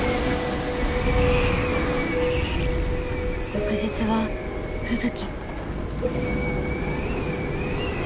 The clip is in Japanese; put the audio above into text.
翌日は吹雪。